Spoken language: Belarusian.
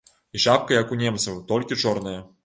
І шапка як у немцаў, толькі чорная.